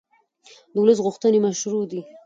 د ولس غوښتنې مشروع دي